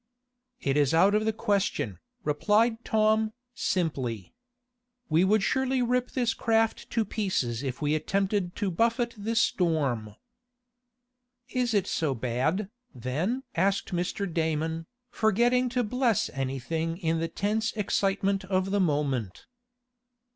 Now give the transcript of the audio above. "It is out of the question," replied Tom, simply. "We would surely rip this craft to pieces if we attempted to buffet this storm." "Is it so bad, then?" asked Mr. Damon, forgetting to bless anything in the tense excitement of the moment.